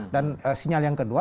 dan sinyal yang kedua